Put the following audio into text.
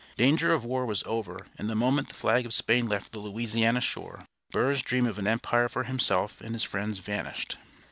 Danger of war was over, and the moment the flag of Spain left the Louisiana shore, Burr's dream of an empire for himself and his friends vanished.